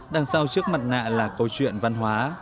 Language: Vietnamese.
đằng sau trước mặt nạ là câu chuyện văn hóa